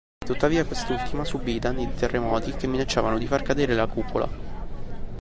Tuttavia quest'ultima subì i danni di terremoti che minacciavano di far cadere la cupola.